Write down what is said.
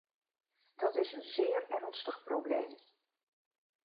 Dat is een zeer ernstig probleem.